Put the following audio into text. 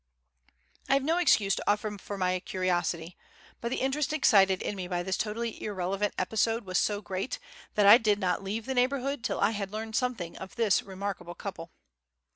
I have no excuse to offer for my curiosity, but the interest excited in me by this totally irrelevant episode was so great that I did not leave the neighbourhood till I had learned something of this remarkable couple.